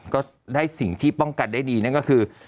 ก็ได้สิ่งที่ป้องกันได้ดีนั่นก็คือ